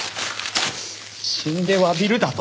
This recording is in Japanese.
死んで詫びるだと！？